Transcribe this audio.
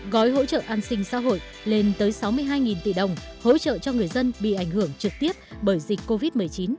gói hỗ trợ an sinh xã hội lên tới sáu mươi hai tỷ đồng hỗ trợ cho người dân bị ảnh hưởng trực tiếp bởi dịch covid một mươi chín